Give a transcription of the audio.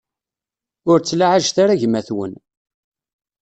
Ur ttlaɛajet ara gma-twen.